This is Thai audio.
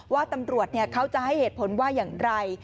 ว่าตำรวจเขาจะให้เหตุผลว่าอย่างไร